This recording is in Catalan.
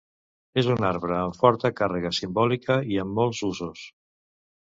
És un arbre amb forta càrrega simbòlica i amb molts usos.